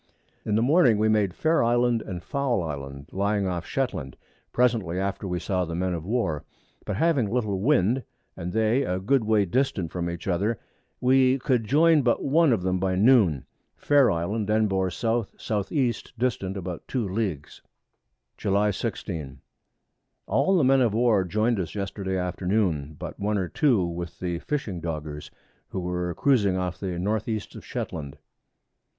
In the Morning we made Fair Island and Foul Island lying off of Shetland, presently after we saw the Men of War; but having little Wind, and they a good way distant from each other, we could join but one of them by Noon. Fair Island then bore S.S.E. distant about 2 Leagues. July 16. All the Men of War join'd us Yesterday Afternoon, but one or two with the fishing Doggers, who were cruizing off to the North East of Shetland.